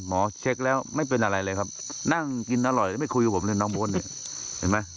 หมอเช็คแล้วไม่เป็นอะไรเลยครับนั่งกินอร่อยไม่คุยกับผมเลยน้องโบ๊ทเนี่ยเห็นไหม